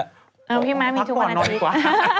คุณมาสมบูรณ์พักก่อนหนอนกว่า